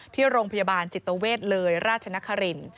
ที่โรงพยาบาลจิตเวทเลยราชนคริน